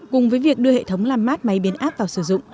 cùng với việc đưa hệ thống làm mát máy biến áp vào sử dụng